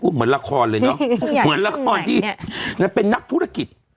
เหมือนละครเลยเนอะเหมือนละครที่เป็นนักธุรกิจ